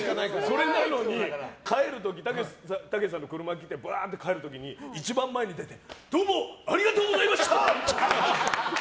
それなのに、帰る時たけしさんの車が来てバーって帰る時に一番前に出てどうもありがとうございました！って。